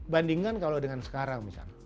bandingkan kalau dengan sekarang misalnya